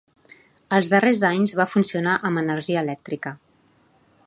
Els darrers anys va funcionar amb energia elèctrica.